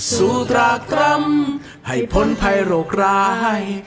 สุรากรรมให้พ้นภัยโรคร้าย